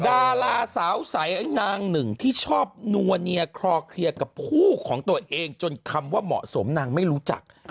ดาราสาวใสนางหนึ่งที่ชอบนัวเนียคลอเคลียร์กับผู้ของตัวเองจนคำว่าเหมาะสมนางไม่รู้จัก